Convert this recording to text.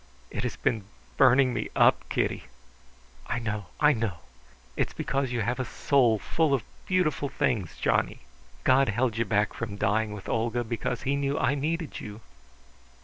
"It has been burning me up, Kitty." "I know, I know! It is because you have a soul full of beautiful things, Johnny. God held you back from dying with Olga because He knew I needed you."